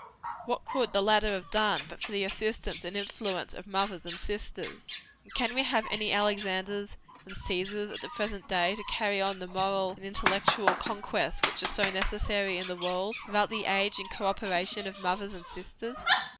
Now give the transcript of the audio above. What could the latter have done, but for the assistance and influence of mothers and sisters? And can we have any Alexanders and Cæsars, at the present day, to carry on the moral and intellectual conquests which are so necessary in the world, without the aid and co operation of mothers and sisters?